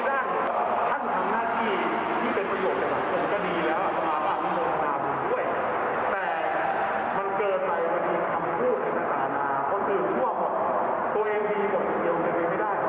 แต่มันเกิดไปมันมีคำพูดในตาลาเพราะคือทั่วหมดตัวเองดีหมดอยู่เดียวไม่ได้